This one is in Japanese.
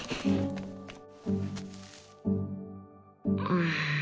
うん